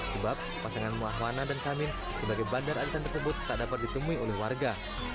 sebab pasangan muahwana dan samin sebagai bandar arisan tersebut tak dapat ditemui oleh warga